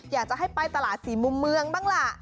อยากจะให้ไปตลาดสี่มุมเมืองบ้างล่ะ